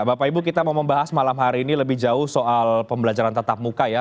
bapak ibu kita mau membahas malam hari ini lebih jauh soal pembelajaran tatap muka ya